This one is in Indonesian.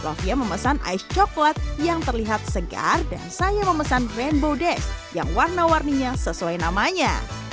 lovia memesan ice chocolate yang terlihat segar dan saya memesan rainbow dash yang warna warninya sesuai namanya